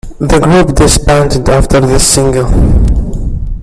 The group disbanded after this single.